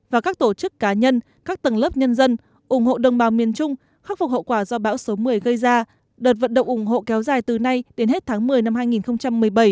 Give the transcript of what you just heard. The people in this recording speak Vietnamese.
và các tổ chức cá nhân các tầng lớp nhân dân ủng hộ đồng bào miền trung khắc phục hậu quả do bão số một mươi gây ra đợt vận động ủng hộ kéo dài từ nay đến hết tháng một mươi năm hai nghìn một mươi bảy